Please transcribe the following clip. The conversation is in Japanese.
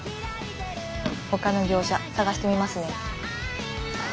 ほかの業者探してみますね。